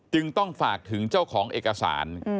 จึงต้องฝากถึงเจ้าของเอกสาร